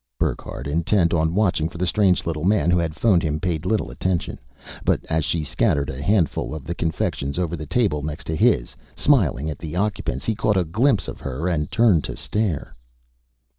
Burckhardt, intent on watching for the strange little man who had phoned him, paid little attention. But as she scattered a handful of the confections over the table next to his, smiling at the occupants, he caught a glimpse of her and turned to stare.